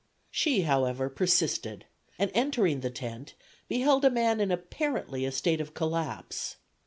She, however, persisted, and entering the tent, beheld a man in apparently a state of collapse.